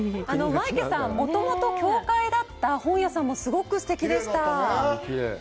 マイケさん、もともと教会だった本屋さんもすごくすてきでした。